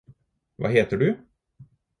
Hva heter du?